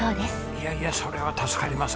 いやいやそれは助かります。